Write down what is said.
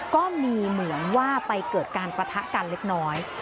ก็มีเหมือนว่าไปเกิดการปะทะกันเล็กน้อย